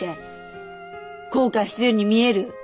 後悔してるように見える？